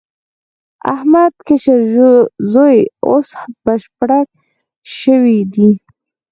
د احمد کشر زوی اوس بشپړک شوی دی.